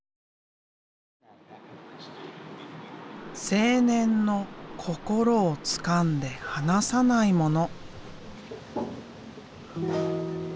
青年の心をつかんで離さないもの。